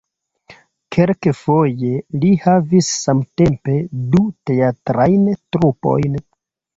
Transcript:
Kelkfoje li havis samtempe du teatrajn trupojn.